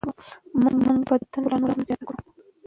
موږ به د وطن ښکلا نوره هم زیاته کړو.